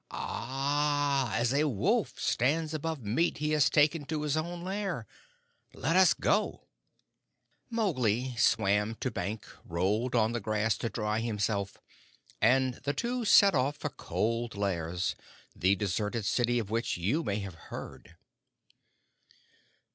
"Ah! As a wolf stands above meat he has taken to his own lair. Let us go." Mowgli swam to bank, rolled on the grass to dry himself, and the two set off for Cold Lairs, the deserted city of which you may have heard.